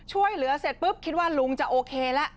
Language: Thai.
ช่วยเหลือเสร็จปุ๊บคิดว่าลุงจะโอเคแล้ว